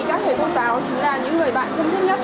các người cô giáo chính là những người bạn thân thích nhất